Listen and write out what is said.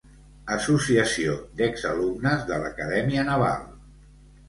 Associació d'Exalumnes de l'Acadèmia Naval.